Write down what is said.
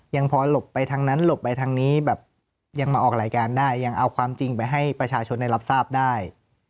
ยังพอหลบไปทางนั้นหลบไปทางนี้แบบยังมาออกรายการได้ยังเอาความจริงไปให้ประชาชนได้รับทราบได้